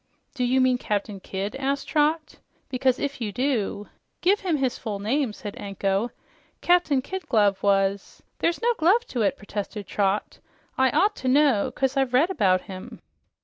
"Do you mean Captain Kidd?" asked Trot. "Because if you do " "Give him his full name," said Anko. "Captain Kid Glove was " "There's no glove to it," protested Trot. "I ought to know, 'cause I've read about him."